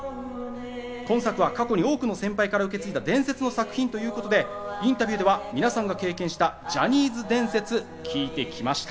今作は過去に多くの先輩から受け継いだ伝説の作品ということで、インタビューでは皆さんが経験したジャニーズ伝説を聞いてきました。